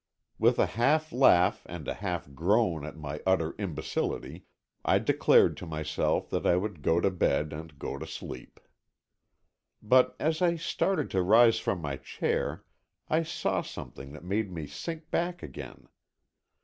With a half laugh and a half groan at my utter imbecility, I declared to myself that I would go to bed and go to sleep. But as I started to rise from my chair, I saw something that made me sink back again.